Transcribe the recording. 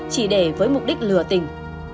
chỉ để với mục đích lừa tình